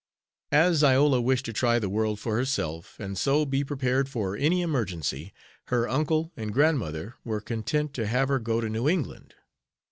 As Iola wished to try the world for herself, and so be prepared for any emergency, her uncle and grandmother were content to have her go to New England.